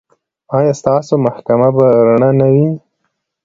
ایا ستاسو محکمه به رڼه نه وي؟